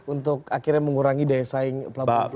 untuk akhirnya mengurangi daya saing pelabuhan